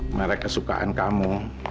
merek kesukaan kamu